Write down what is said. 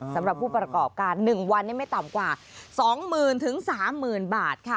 สำหรับผู้ประกอบการ๑วันนี้ไม่ต่ำกว่า๒๐๐๐๓๐๐๐บาทค่ะ